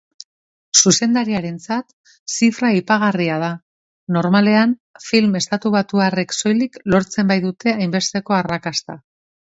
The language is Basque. Zuzendariarentzat zifra aipagarria da, normalean film estatubatuarrek soilik lortzen baitute hainbesteko arrakasta.